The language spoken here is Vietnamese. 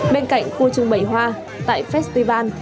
bên cạnh khu trưng bầy hoa tại festival